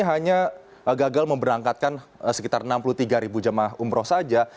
hanya gagal memberangkatkan sekitar enam puluh tiga jemaah umroh saja